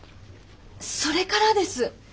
それからです。